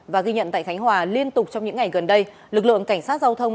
và ghi nhận tại khánh hòa liên tục trong những ngày gần đây lực lượng cảnh sát giao thông